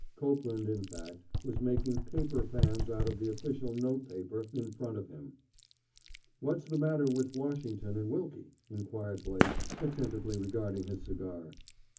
Copeland, in fact, was making paper fans out of the official note paper in front of him. "What's the matter with Washington and Wilkie?" inquired Blake, attentively regarding his cigar.